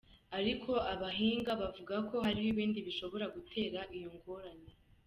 Ariko abahinga bavuga ko hariho ibindi bishobora gutera iyo ngorane.